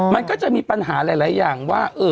มันก็จะมีปัญหาหลายอย่างว่า